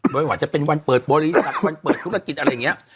ว่าจะเป็นวันเปิดบริษัทวันเปิดธุรกิจอะไรอย่างนี้